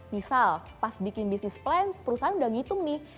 misal pas bikin bisnis plan perusahaan udah ngitung nih